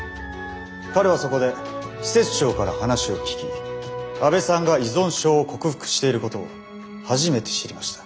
彼はそこで施設長から話を聞き阿部さんが依存症を克服していることを初めて知りました。